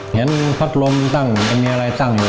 เห็นพลัทรรมตั้งอยู่แล้วมีอะไรตั้งอยู่